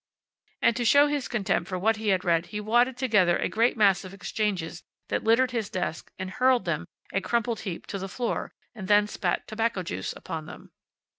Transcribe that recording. And to show his contempt for what he had read he wadded together a great mass of exchanges that littered his desk and hurled them, a crumpled heap, to the floor, and then spat tobacco juice upon them.